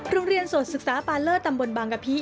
โรงเรียนโสดศึกษาปาเลอร์ตำบลบางกะพี